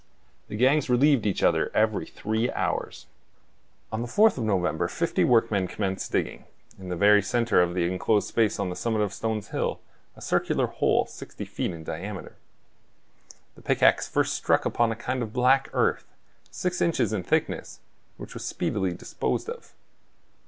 The gangs relieved each other every three hours. On the 4th of November fifty workmen commenced digging, in the very center of the enclosed space on the summit of Stones Hill, a circular hole sixty feet in diameter. The pickaxe first struck upon a kind of black earth, six inches in thickness, which was speedily disposed of.